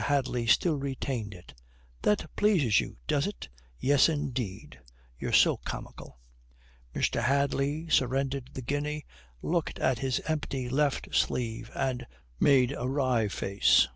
Hadley still retained it. "That pleases you, does it?" "Yes, indeed. You're so comical." Mr. Hadley surrendered the guinea, looked at his empty left sleeve and made a wry face.